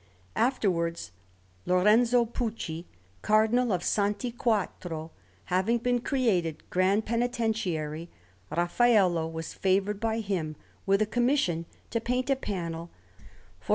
Afterwards, Lorenzo Pucci, Cardinal of Santi Quattro, having been created Grand Penitentiary, Raffaello was favoured by him with a commission to paint a panel for S.